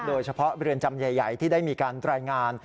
โดยเฉพาะเรือนจำใหญ่ที่ได้มีการรายงาน